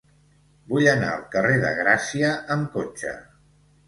Vull anar al carrer de Gràcia amb cotxe.